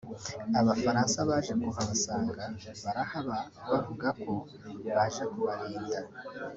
Abafaransa baje kuhabasanga barahaba bavuga ko baje kubarinda